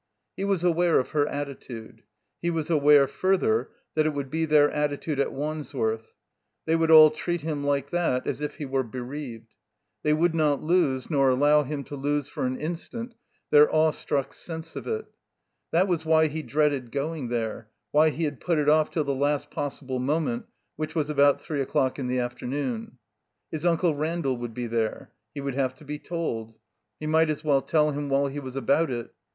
He was aware of her attitude; he was aware, further, that it would be their attitude at Wands worth. They would all treat him like that, as if he were bereaved. They would not lose, nor allow him to lose for an instant, their awestruck sense of it. That was why he dreaded going there, why he had put it off till the last possible moment, which was about three o'clock in the afternoon. His Unde Randall would be there. He would have to be told. He might as well tell him while he was about it.